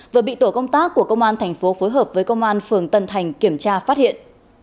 vừa bị tổ công tác của công an thành phố phối hợp với công an phường tân thành kiểm tra phát hiện